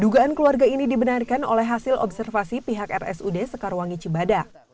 dugaan keluarga ini dibenarkan oleh hasil observasi pihak rsud sekarwangi cibadak